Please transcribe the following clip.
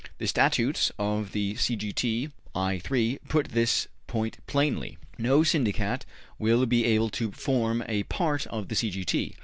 The Statutes of the C. G. T. (I. 3) put this point plainly: `No Syndicat will be able to form a part of the C. G. T.